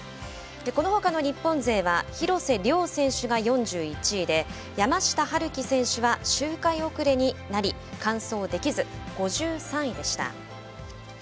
このほかの日本勢は廣瀬崚選手が４１位で山下陽暉選手は周回遅れになり完走できず５３位でした。